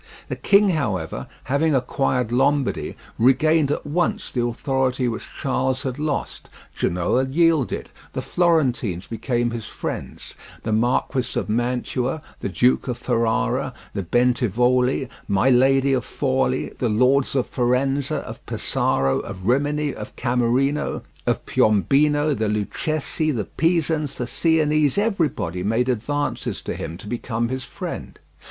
The king, however, having acquired Lombardy, regained at once the authority which Charles had lost: Genoa yielded; the Florentines became his friends; the Marquess of Mantua, the Duke of Ferrara, the Bentivogli, my lady of Forli, the Lords of Faenza, of Pesaro, of Rimini, of Camerino, of Piombino, the Lucchese, the Pisans, the Sienese—everybody made advances to him to become his friend.